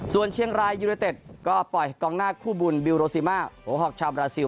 ส่วนเชียงรายยูเนเต็ดก็ปล่อยกองหน้าคู่บุญบิลโรซิมาโอฮอกชาวบราซิล